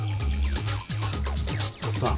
おっさん。